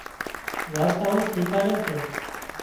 وارتائون شيکاڙي سي